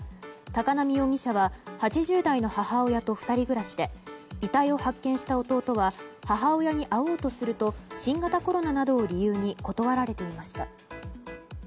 高浪容疑者は８０代の母親と２人暮らしで遺体を発見した弟は母親に会おうとすると新型コロナなどを理由に断られていました。